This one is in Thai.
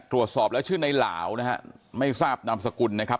ตรวจสอบแล้วชื่อในหลาวนะฮะไม่ทราบนามสกุลนะครับ